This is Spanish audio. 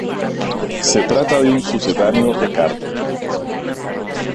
Se trata de un sucedáneo de carne.